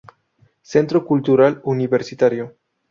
Centro Cultural Universitario